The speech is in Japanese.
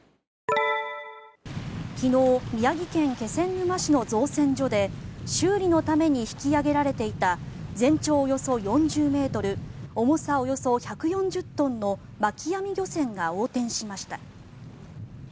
昨日宮城県気仙沼市の造船所で修理のために引き揚げられていた全長およそ４０ｍ重さおよそ１４０トンの巻き網漁船が横転しました。